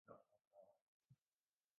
shooting مکمل ہوچکی ہے